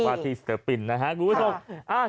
วาทีสเตอร์ปินนะฮะกูรู้ถึง